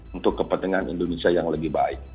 untuk kepentingan indonesia yang lebih baik